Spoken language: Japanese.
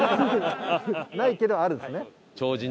ないけどあるんですね。